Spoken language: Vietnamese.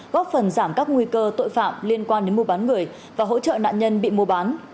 góp phần giảm các nguy cơ tội phạm liên quan đến mua bán người và hỗ trợ nạn nhân bị mua bán